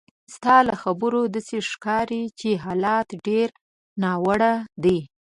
ستا له خبرو داسې ښکاري چې حالات ډېر ناوړه دي.